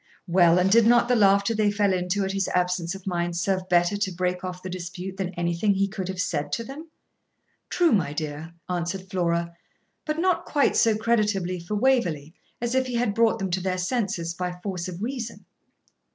'Well, and did not the laughter they fell into at his absence of mind serve better to break off the dispute than anything he could have said to them?' 'True, my dear,' answered Flora; 'but not quite so creditably for Waverley as if he had brought them to their senses by force of reason.'